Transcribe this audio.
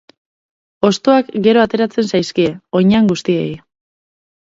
Hostoak gero ateratzen zaizkie, oinean guztiei.